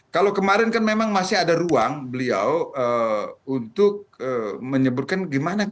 kalau kemarin kan memang masih ada ruang beliau untuk menyebutkan gimana